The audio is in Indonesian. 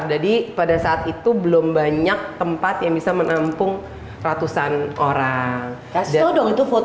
jadi pada saat itu belum banyak tempat yang bisa menampung ratusan orang jadwal untuk foto